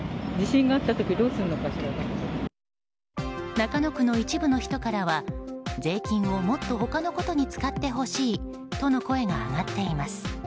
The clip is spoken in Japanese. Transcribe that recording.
中野区の一部の人からは税金をもっと他のことに使ってほしいとの声が上がっています。